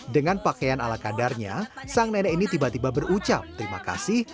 dengan pakaian ala kadarnya sang nenek ini tiba tiba berucap terima kasih